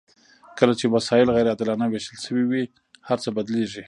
کله چې وسایل غیر عادلانه ویشل شوي وي هرڅه بدلیږي.